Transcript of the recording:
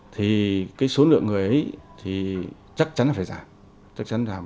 thì cái số lượng người ấy thì chắc chắn là phải giảm chắc chắn giảm